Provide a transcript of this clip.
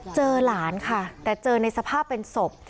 เจอหลานค่ะแต่เจอในสภาพเป็นศพ